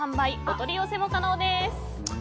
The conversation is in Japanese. お取り寄せも可能です。